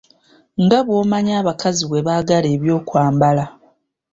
Nga bwomanyi abakazi bwe baagala eby'okwambala.